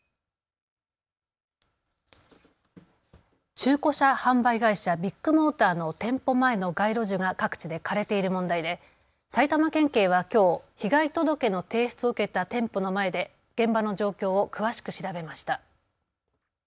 中古車販売会社、ビッグモーターの店舗前の街路樹が各地で枯れている問題で埼玉県警はきょう、被害届の提出を受けた店舗の前で現場の状況を詳しく調べました。